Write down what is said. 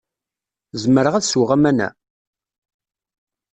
Zemreɣ ad sweɣ aman-a?